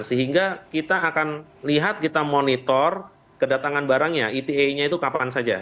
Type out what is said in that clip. sehingga kita akan lihat kita monitor kedatangan barangnya eta nya itu kapan saja